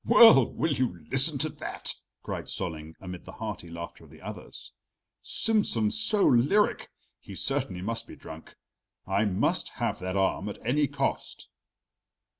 "Well, will you listen to that?" cried Solling, amid the hearty laughter of the others. "Simsen's so lyric, he certainly must be drunk. I must have that arm at any cost."